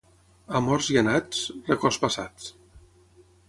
A morts i a anats, records passats.